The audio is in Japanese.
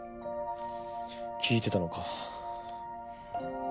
聞いてたのか。